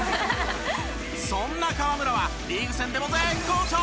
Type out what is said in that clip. そんな河村はリーグ戦でも絶好調。